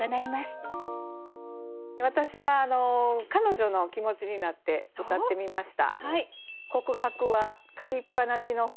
私は彼女の気持ちになってうたってみました。